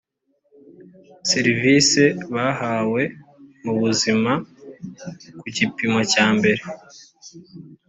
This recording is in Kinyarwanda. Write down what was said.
serivisi bahawa mu buzima ku gipimo cyambere